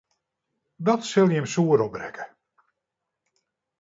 Dat sil jim soer opbrekke.